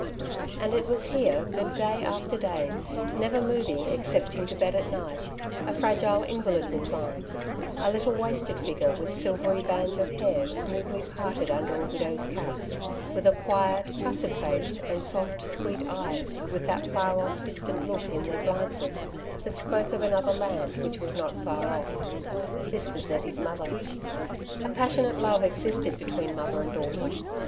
And it was here that day after day, never moving excepting to bed at night, a fragile invalid reclined — a little wasted figure with silvery bands of hair smoothly parted under a widow's cap, with a quiet, placid face and soft sweet eyes, with that far off, distant look in their glances that spoke of another land which was not far off. This was Nettie's mother. A passionate love existed between mother and daughter.